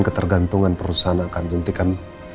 ketergantungan perusahaan akan juntikan